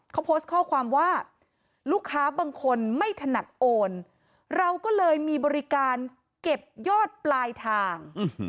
เขาโพสต์ข้อความว่าลูกค้าบางคนไม่ถนัดโอนเราก็เลยมีบริการเก็บยอดปลายทาง